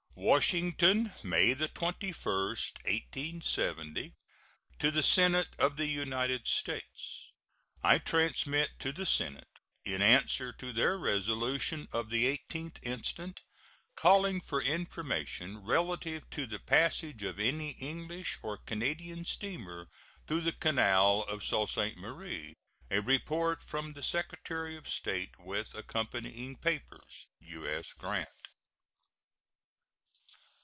] WASHINGTON, May 21, 1870. To the Senate of the United States: I transmit to the Senate, in answer to their resolution of the 18th instant, calling for information relative to the passage of any English or Canadian steamer through the canal of Sault Ste. Marie, a report from the Secretary of State, with accompanying papers. U.S. GRANT.